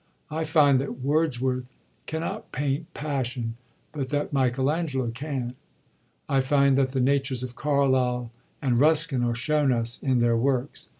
I find that Wordsworth cannot paint pa.ssion, hut that Michael Angelo can. I find that the natures of Carlyle and Ruskin are shown us in their works.